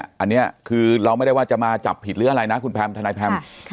อันนี้คือเราไม่ได้ว่าจะมาจับผิดหรืออะไรนะคุณแพมทนายแพม